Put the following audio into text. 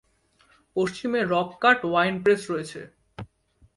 পশ্চিমে রক-কাট ওয়াইন-প্রেস রয়েছে।